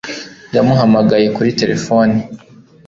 Yamuhamagaye kuri terefone